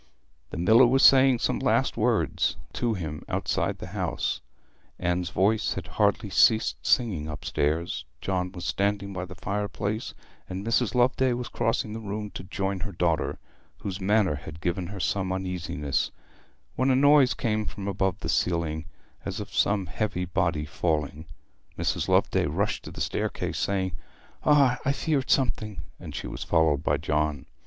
The miller was saying some last words to him outside the house, Anne's voice had hardly ceased singing upstairs, John was standing by the fireplace, and Mrs. Loveday was crossing the room to join her daughter, whose manner had given her some uneasiness, when a noise came from above the ceiling, as of some heavy body falling. Mrs. Loveday rushed to the staircase, saying, 'Ah, I feared something!' and she was followed by John.